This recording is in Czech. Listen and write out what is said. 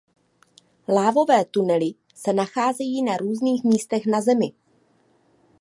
Lávové tunely se nacházejí na různých místech na Zemi.